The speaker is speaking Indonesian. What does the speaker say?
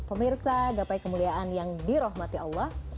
pemirsa gapai kemuliaan yang dirahmati allah